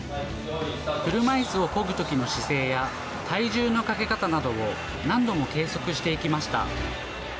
車いすをこぐときの姿勢や、体重のかけ方などを何度も計測していきました。